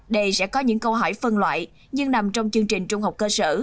đây sẽ có những câu hỏi phân loại nhưng nằm trong chương trình trung học cơ sở